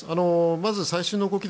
まず最新の動き